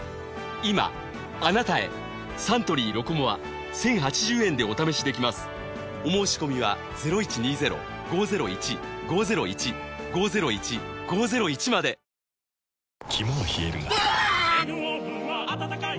今あなたへサントリー「ロコモア」１，０８０円でお試しできますお申込みは肝は冷えるがうわ！